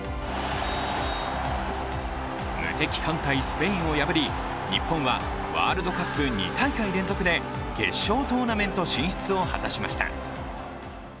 無敵艦隊・スペインを破り日本はワールドカップ２大会連続で決勝トーナメント進出を果たしました。